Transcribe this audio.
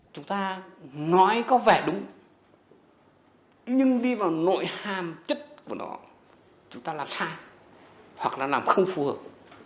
chúng ta nói có vẻ đúng nhưng đi vào nội hàm chất của nó chúng ta làm sai hoặc là làm không phù hợp